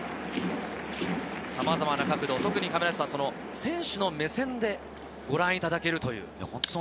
さまざまな角度、特に選手の目線でご覧いただけるという。